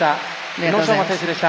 宇野昌磨選手でした。